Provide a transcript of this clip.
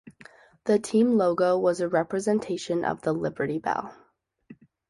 The team logo was a representation of the Liberty Bell.